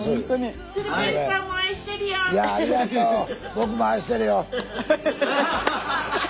僕も愛してるよ。